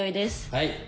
はい。